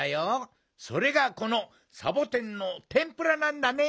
それがこのサボテンのてんぷらなんだね。